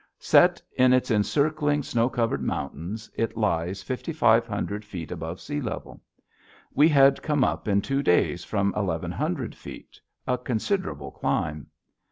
Set in its encircling, snow covered mountains, it lies fifty five hundred feet above sea level. We had come up in two days from eleven hundred feet, a considerable climb.